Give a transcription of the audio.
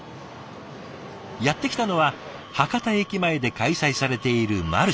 やって来たのは博多駅前で開催されているマルシェ。